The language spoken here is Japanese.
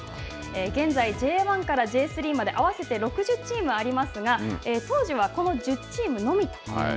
現在Ｊ１からＪ３までありますが、当時はこの１０チームのみと。